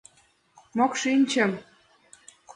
— Мокшинчым!